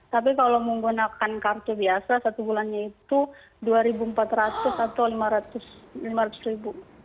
tapi kalau menggunakan kartu biasa satu bulannya itu dua empat ratus atau rp lima ratus ribu